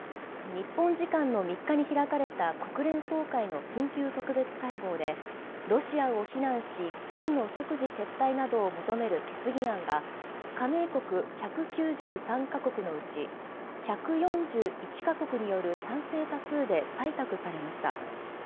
日本時間の３日に開かれた、国連総会の緊急特別会合で、ロシアを非難し、軍の即時撤退などを求める決議案が、加盟国１９３か国のうち１４１か国による賛成多数で採択されました。